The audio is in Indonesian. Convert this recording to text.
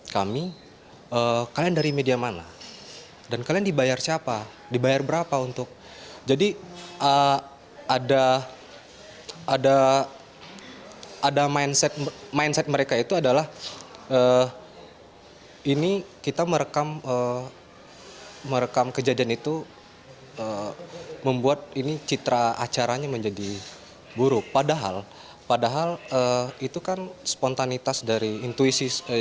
jurnalis jurnalis indonesia tv dipaksa menghapus gambar yang memperlihatkan adanya keributan yang sempat terjadi di lokasi acara